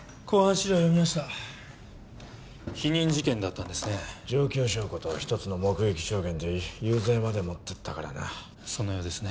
資料読みました否認事件だったんですね状況証拠と一つの目撃証言で有罪まで持ってったからなそのようですね